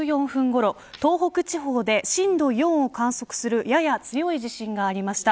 午前９時１４分ごろ東北地方で震度４を観測するやや強い地震がありました。